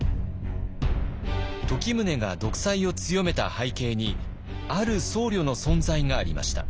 時宗が独裁を強めた背景にある僧侶の存在がありました。